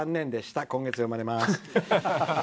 今月、読まれます！